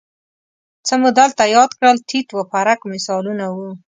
څه مو دلته یاد کړل تیت و پرک مثالونه وو